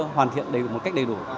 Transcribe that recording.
hoàn thiện một cách đầy đủ